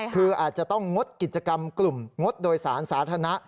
คืออาจจะต้องงดกิจกรรมกลุ่มงดโดยสารสาธารณะ